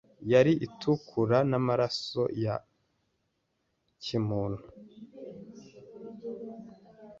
yari itukura namaraso ya kimuntu